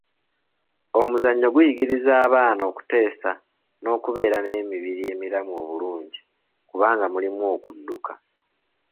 Omuzannyo guyigiriza abaana okuteesa n’okubeera n’emibiri emiramu obulungi kubanga mulimu okudduka.